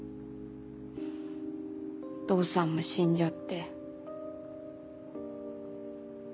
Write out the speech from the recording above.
お父さんも死んじゃって。